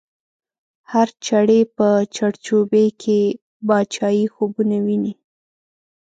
هر چړی په چړچوبۍ کی، باچایې خوبونه وینې